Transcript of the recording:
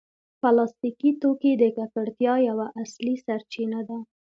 پلاستيکي توکي د ککړتیا یوه اصلي سرچینه ده.